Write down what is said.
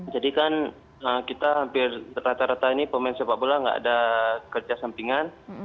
jadi kan kita hampir rata rata ini pemain sepak bola tidak ada kerja sampingan